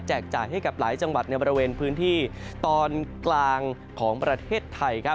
จ่ายให้กับหลายจังหวัดในบริเวณพื้นที่ตอนกลางของประเทศไทย